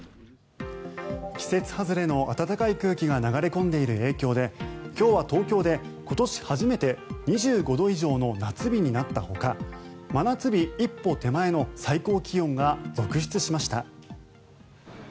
季節外れの暖かい空気が流れ込んでいる影響で今日は東京で今年初めて２５度以上の夏日になったほか真夏日一歩手前の最高気温が続出しました。